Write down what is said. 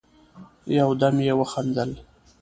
يودم يې وخندل: